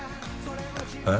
えっ？